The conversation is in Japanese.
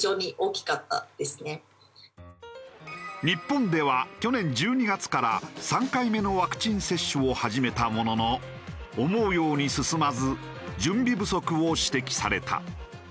日本では去年１２月から３回目のワクチン接種を始めたものの思うように進まず準備不足を指摘された。